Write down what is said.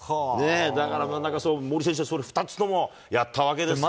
だから森選手は２つともやったわけですから。